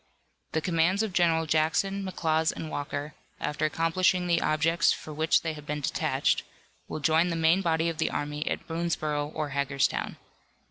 The commands of General Jackson, McLaws and Walker, after accomplishing the objects for which they have been detached, will join the main body of the army at Boonsborough or Hagerstown.